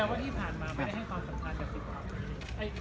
แปลว่าที่ผ่านมาไม่ได้ให้ความสำคัญจาก๑๐พัก